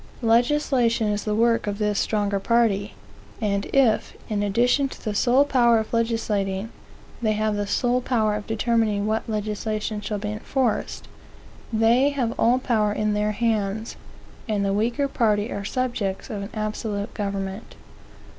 Legislation is the work of this stronger party; and if, in addition to the sole power of legislating, they have the sole power of determining what legislation shall be enforced, they have all power in their hands, and the weaker party are the subjects of an absolute government.